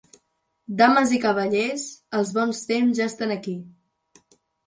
Dames i cavallers, els bons temps ja estan aquí!